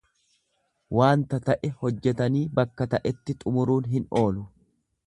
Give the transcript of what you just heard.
Waanta ta'e hojjetanii bakka ta'etti xumuruun hin oolu.